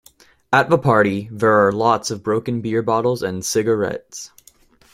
At the party there are lots of broken beer bottles and cigarettes.